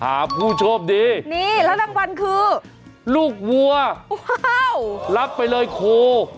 ผู้โชคดีนี่แล้วรางวัลคือลูกวัวรับไปเลยโค